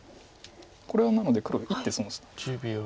これはなので黒１手損してます。